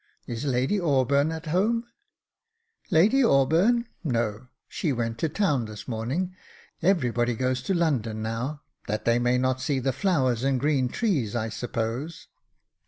Is Lady Auburn at home ?" Lady Auburn — no; she went to town this morning; everybody goes to London now, that they may not see the flowers and green trees, I suppose."